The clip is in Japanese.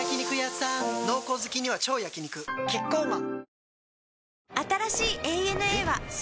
濃厚好きには超焼肉キッコーマン